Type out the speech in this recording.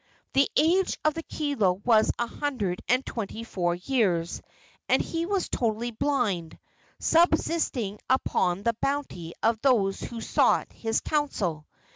The age of the kilo was a hundred and twenty four years, and he was totally blind, subsisting upon the bounty of those who sought his counsel.